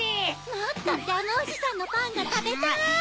もっとジャムおじさんのパンがたべたい！